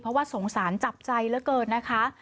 เพราะว่าสงสารจับใจเหลือเกินนะคะ